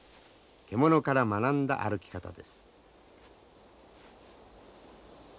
獲物から学んだ歩き方です。